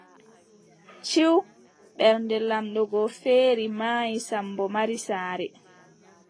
Ciw, Ɓernde laamɗo go feeri, maayi, Sammbo mari saare.